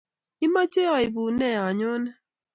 Imoche aipun ne anyone?